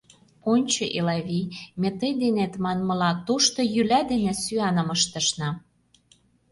Ончо, Элавий, ме тый денет, манмыла, тошто йӱла дене сӱаным ыштышна.